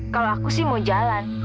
kalau aku sih mau jalan